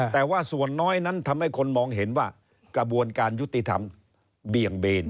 แต่ว่าส่วนน้อยนั้นทำให้คนมองเห็นว่ากระบวนการยุติธรรมเบี่ยงเบน